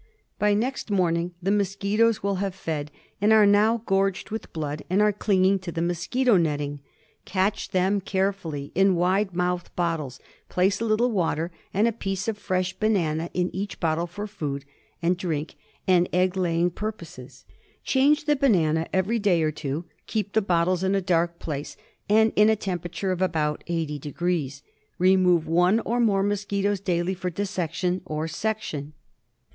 By next morning the mosquitoes will have fed, and are now gorged with blood and are clinging to the mosquito netting. Catch them care 76 FILARIASIS. folly in wide mouthed bottles; place a little water and a piece of fresh banana in each bottle for food and drink and egg laying pur poses. Change the banana every day or two. Keep the bottles in a dark place and in a temperature of about 80° Fahr, Remove one or more mosquitoes daily for dissection or section.